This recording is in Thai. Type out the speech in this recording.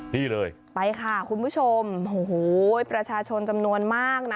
นี่เลยไปค่ะคุณผู้ชมโอ้โหประชาชนจำนวนมากนะ